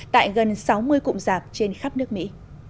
tại gần sáu mươi cụm giạc trên khắp nước mỹ